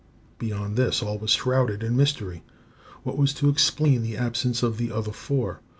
Beyond this all was shrouded in mystery. What was to explain the absence of the other four?